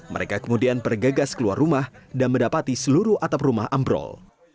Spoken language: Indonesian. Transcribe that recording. mereka kemudian bergegas keluar rumah dan mendapati seluruh atap rumah ambrol